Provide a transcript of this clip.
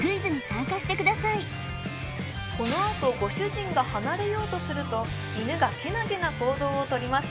このあとご主人が離れようとすると犬がけなげな行動を取ります